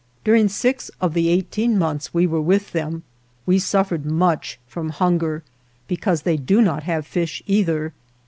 During six of the eighteen months we were with them we suffered much from hunger, because they do not have fish either.